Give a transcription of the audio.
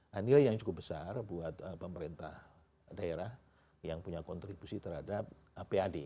nah nilai yang cukup besar buat pemerintah daerah yang punya kontribusi terhadap pad